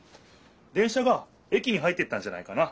電車が駅に入っていったんじゃないかな。